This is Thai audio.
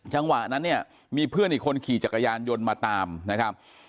จังหวะนั้นเนี่ยมีเพื่อนอีกคนขี่จักรยานยนต์มาตามนะครับ